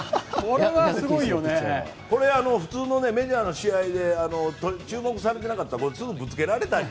これが普通のメジャーの試合で注目されていなかったらぶつけられたり。